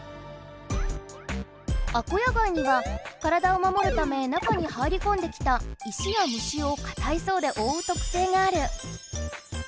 アコヤガイには体をまもるため中に入りこんできた石や虫をかたい層でおおうとくせいがある。